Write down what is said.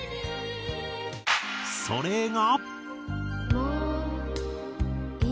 それが。